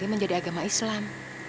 nanti menjadi agama islam